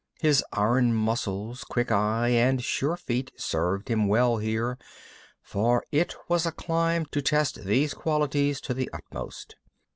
His iron muscles, quick eyes and sure feet served him well here, for it was a climb to test these qualities to the utmost.